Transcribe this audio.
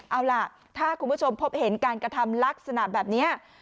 เอาล่ะถ้าคุณผู้ชมพบเห็นการกระทำลักษณะแบบนี้